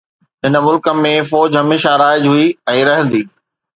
هن ملڪ ۾ فوج هميشه رائج هئي ۽ رهندي